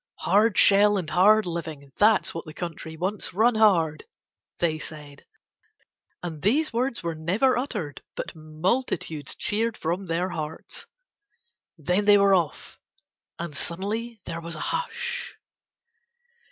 "Hard shell and hard living. That's what the country wants. Run hard," they said. And these words were never uttered but multitudes cheered from their hearts. Then they were off, and suddenly there was a hush.